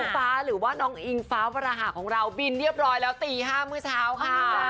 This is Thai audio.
ฟ้าหรือว่าน้องอิงฟ้าประหาของเราบินเรียบร้อยแล้วตี๕เมื่อเช้าค่ะ